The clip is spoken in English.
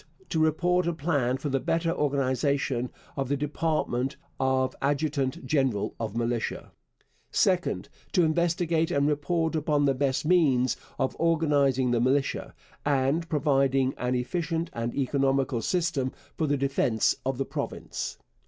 To report a plan for the better organization of the department of Adjutant General of Militia. 2nd. To investigate and report upon the best means of organizing the militia, and providing an efficient and economical system for the defence of the province.